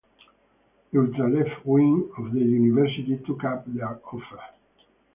The ultra-left wing of the University took up their offer.